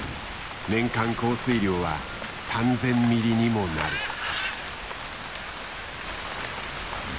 年間降水量は３，０００ミリにもなる。